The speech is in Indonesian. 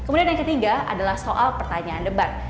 kemudian yang ketiga adalah soal pertanyaan debat